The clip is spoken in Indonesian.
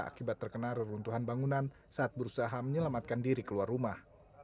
akibat terkena reruntuhan bangunan saat berusaha menyelamatkan diri keluar rumah